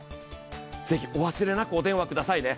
ぜひお忘れなくお電話くださいね。